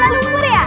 jadi kuala lumpur ya